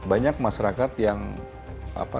banyak masyarakat yang melaporkan